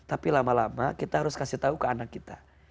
tapi lama lama kita harus kasih tahu ke anak kita